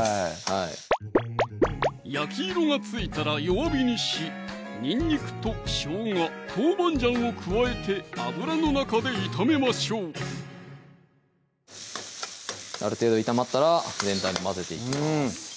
はい焼き色がついたら弱火にしにんにくとしょうが・豆板醤を加えて油の中で炒めましょうある程度炒まったら全体に混ぜていきます